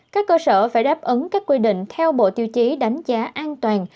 các cơ sở phải đáp ứng các quy định theo bộ tiêu chí đánh giá an toàn